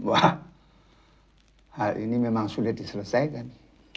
bahwa hal ini memang sudah diselesaikan